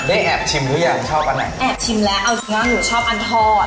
ได้แอบชิมทุกอย่างชอบอันไหนแอบชิมแล้วเอาอย่างหนูชอบอันทอด